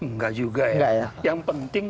enggak juga ya yang penting